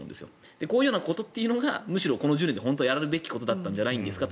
こういうことがむしろこの１０年でやるべきことだったんじゃないですかと。